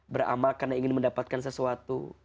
beramal karena ingin mendapatkan sesuatu